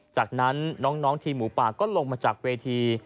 จากนั้นน้องทีมหมูป่าก็ลงมาจากเวที